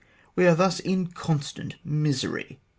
We are thus in constant misery.